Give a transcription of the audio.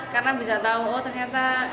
karena bisa tahu oh ternyata